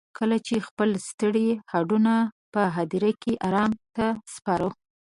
کله چې خپل ستړي هډونه په هديره کې ارام ته سپارو.